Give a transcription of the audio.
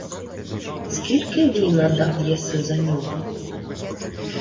— Скільки віна дав єси за нього?